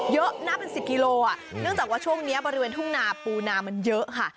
เยอะน่าเป็น๑๐กิโลอ่ะเนื่องจากว่าช่วงนี้บริเวณทุ่งนาปูนามันเยอะค่ะ